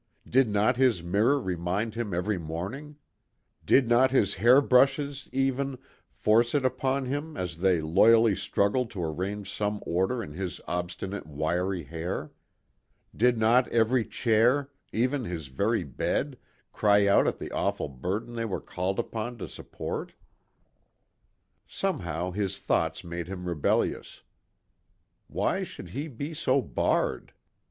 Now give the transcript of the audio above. Did not his mirror remind him every morning? Did not his hair brushes, even, force it upon him as they loyally struggled to arrange some order in his obstinate wiry hair? Did not every chair, even his very bed, cry out at the awful burden they were called upon to support? Somehow his thoughts made him rebellious. Why should he be so barred?